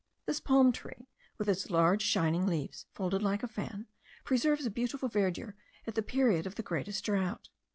This palm tree, with its large shining leaves, folded like a fan, preserves a beautiful verdure at the period of the greatest drought.